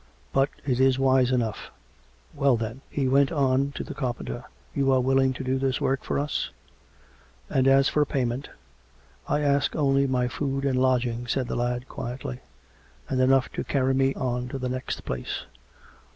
" But it is wise enough. ... Well, then," he went on to the carpenter, " you are willing to do this work for us .'' And as for pay ment "" I ask only my food and lodging," said the lad quietly; " and enough to carry me on to the next place."